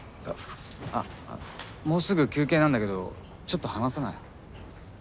あもうすぐ休憩なんだけどちょっと話さない？